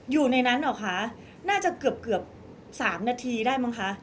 อยู่ในนั้นเหรอคะน่าจะเกือบเกือบ๓นาทีได้มั้งคะ